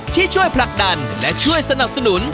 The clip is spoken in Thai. ที่ช่วยผลักดันและช่วยสนับสนุน